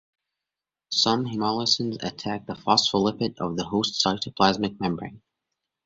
Some hemolysins attack the phospholipid of the host cytoplasmic membrane.